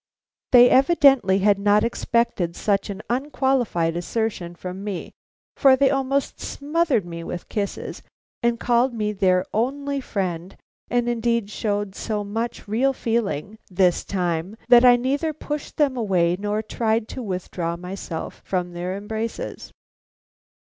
They evidently had not expected such an unqualified assertion from me, for they almost smothered me with kisses, and called me their only friend! and indeed showed so much real feeling this time that I neither pushed them away nor tried to withdraw myself from their embraces.